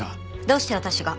どうして私が？